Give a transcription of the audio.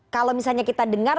kalau misalnya kita dengar